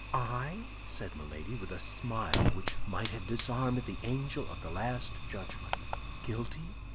I?" said Milady, with a smile which might have disarmed the angel of the last judgment. "Guilty?